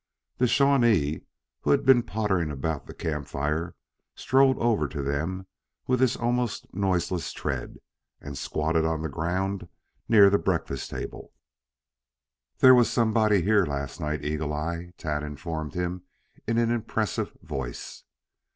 The Shawnee, who had been pottering about the camp fire, strode over to them with his almost noiseless tread, and squatted on the ground near the breakfast table. "There was somebody here last night, Eagle eye," Tad informed him in an impressive voice.